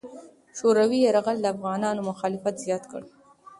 شوروي یرغل د افغانانو مخالفت زیات کړ.